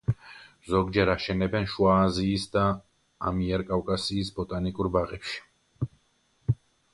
ზოგჯერ აშენებენ შუა აზიის და ამიერკავკასიის ბოტანიკურ ბაღებში.